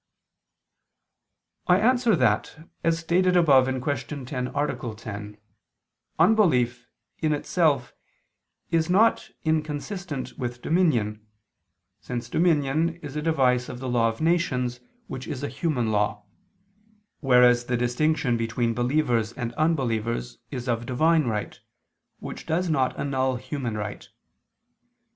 I answer that, As stated above (Q. 10, A. 10), unbelief, in itself, is not inconsistent with dominion, since dominion is a device of the law of nations which is a human law: whereas the distinction between believers and unbelievers is of Divine right, which does not annul human right.